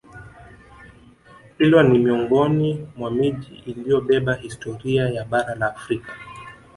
Kilwa ni miongoni mwa miji iliyobeba historia ya Bara la Afrika